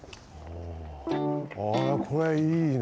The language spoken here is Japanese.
おああこれいいね。